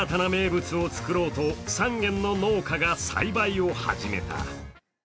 震災後、新たな名物を作ろうと３軒の農家が栽培を始めた。